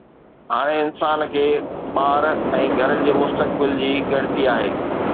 هاڻي انسان کي ٻار ۽ گهر جي مستقبل جي ڳڻتي آهي.